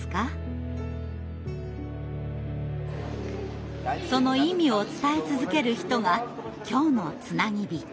その意味を伝え続ける人が今日の「つなぎびと」。